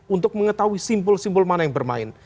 untuk mengetahui simbol simbol mana yang bermain